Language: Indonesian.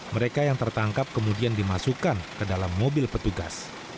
mereka yang tertangkap kemudian dimasukkan ke dalam mobil petugas